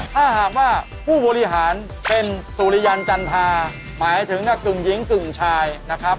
ถ้าหากว่าผู้บริหารเป็นสุริยันจันทราหมายถึงกับกึ่งหญิงกึ่งชายนะครับ